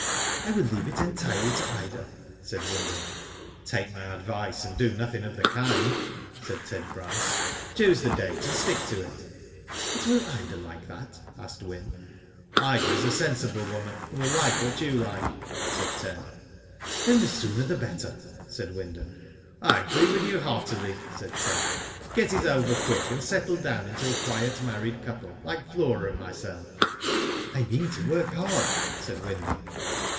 "I will leave it entirely to Ida," said Wynd* ham. "Take my advice and do nothing of the kind," said Ted Bryce. " Choose the date, and stick to it." "But will Ida like that?" asked Wyn. "Ida is a sensible woman, and will like what you like," said Ted. "Then the sooner the better," said Wyndham. " I agree with you, heartily," said Ted. " Get it over quick, and settle down into a quiet married couple, like Flora and myself." "I mean to work hard," said Wyndham.